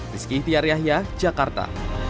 riski itiar yahya jakarta